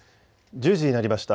１０時になりました。